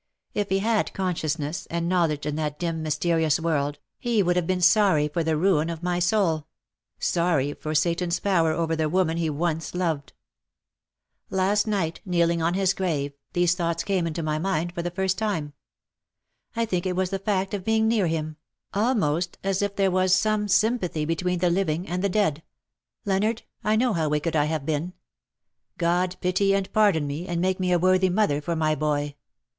If he had conscious ness and knowledge in that dim mysterious world, he would have been sorry for the ruin of my soul — sorry for Satan^s power over the woman he once loved. Last night, kneeling on his grave. WITH A PALE YET STEADY FACE/' 299 these thoughts came into my mind for the first time. I think it was the fact of being near him — almost as if there was some sympathy between the living and the dead. Leonard^ I know how wicked I have been. God pity and pardon me, and make me a worthy mother for my boy.